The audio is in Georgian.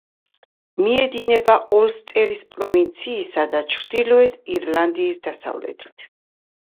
მიედინება ოლსტერის პროვინციისა და ჩრდილოეთ ირლანდიის დასავლეთით.